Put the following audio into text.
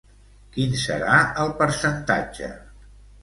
Quin serà el percentatge?